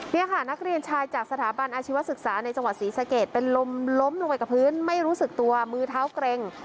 นี่ค่ะนักเรียนชายจากสถาบันอาชีวศึกษาในจังหวัดศรีสะเกดเป็นลมล้มลงไปกับพื้นไม่รู้สึกตัวมือเท้าเกร็ง